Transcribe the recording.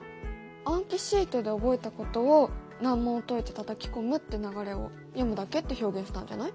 暗記シートで覚えたことを難問を解いてたたき込むって流れを「読むだけ」って表現したんじゃない？